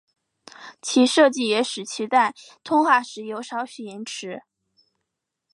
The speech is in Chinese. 其设计也使其在通话时有少许延迟。